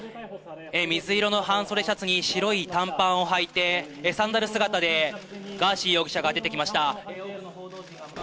水色の半袖シャツに白い短パンをはいて、サンダル姿でガーシー容疑者が出てきました。